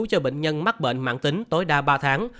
cho bệnh nhân mắc bệnh mạng tính tối đa ba tháng